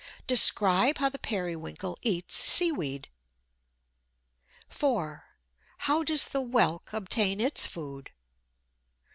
Describe how the Periwinkle eats seaweed. 4. How does the Whelk obtain its food?